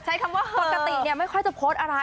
ใช้คำว่าปกติเนี่ยไม่ค่อยจะโพสต์อะไร